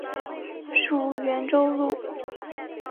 属袁州路。